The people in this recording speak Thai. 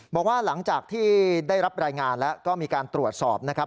บอกว่าหลังจากที่ได้รับรายงานแล้วก็มีการตรวจสอบนะครับ